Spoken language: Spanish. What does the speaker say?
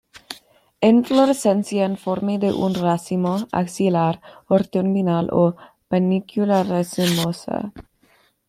Inflorescencia en forma de un racimo axilar o terminal o panícula racemosa.